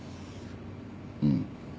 うん。